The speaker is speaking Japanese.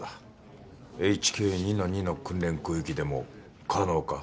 ＨＫ２−２の訓練空域でも可能か？